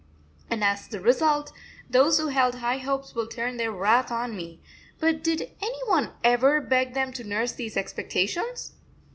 And as the result, those who held high hopes will turn their wrath on me; but did any one ever beg them to nurse these expectations?